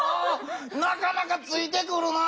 なかなかついてくるな。